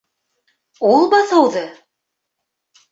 Ул баҫыуҙы?..